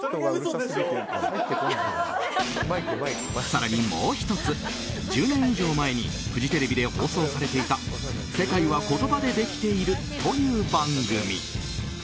更に、もう１つ１０年以上前にフジテレビで放送されていた「世界は言葉でできている」という番組。